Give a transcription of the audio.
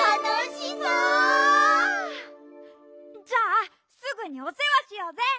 じゃあすぐにおせわしようぜ！